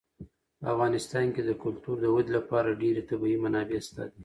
په افغانستان کې د کلتور د ودې لپاره ډېرې طبیعي منابع شته دي.